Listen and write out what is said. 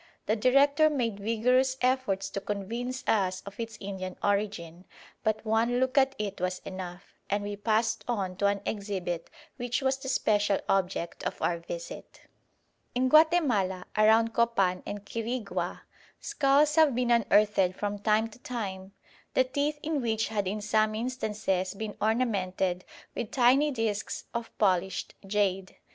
The director made vigorous efforts to convince us of its Indian origin, but one look at it was enough; and we passed on to an exhibit which was the special object of our visit. In Guatemala, around Copan and Quirigua, skulls have been unearthed from time to time the teeth in which had in some instances been ornamented with tiny discs of polished jade.